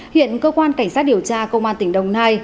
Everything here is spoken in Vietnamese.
hiện cơ quan cảnh sát điều tra công an tỉnh đồng nai